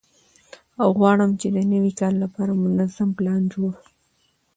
او غواړم چې د نوي کال لپاره منظم پلان جوړ